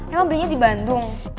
emang belinya di bandung